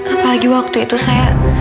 apalagi waktu itu saya